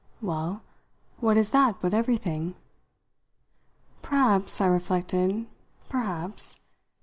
"Well, what is that but everything?" "Perhaps," I reflected, "perhaps."